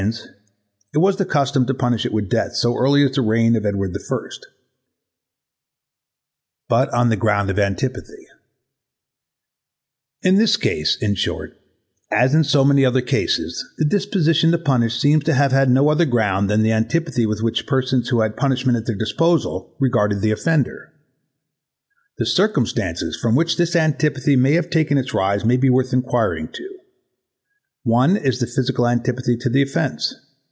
(It was the custom to punish it with death so early as the reign of' Ed. 1st. See Miroir des Justices, ch. 4, 14. Fleta. J.B.) But on the ground of antipathy In this case, in short, as in so many other cases the disposition to punish seems to have had no other ground than the antipathy with which persons who had punishment at their disposal regarded the offender. The circumstances from which this antipathy may have taken its rise may be worth enquiring to. 1. One is the physical antipathy to the offence.